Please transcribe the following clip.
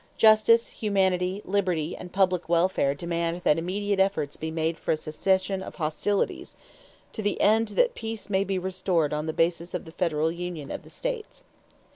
justice, humanity, liberty, and public welfare demand that immediate efforts be made for a cessation of hostilities, to the end that peace may be restored on the basis of the federal union of the states."